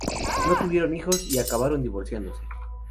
No tuvieron hijos, y acabaron divorciándose.